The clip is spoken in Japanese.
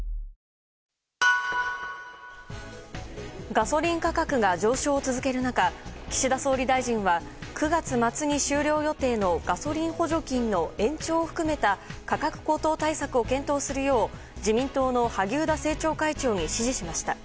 ガソリン価格が上昇を続ける中岸田総理大臣は９月末に終了予定のガソリン補助金の延長を含めた価格高騰対策を検討するよう自民党の萩生田政調会長に指示しました。